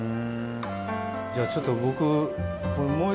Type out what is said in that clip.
じゃあちょっと。